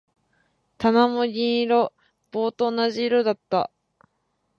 棚も銀色。棒と同じ色だった。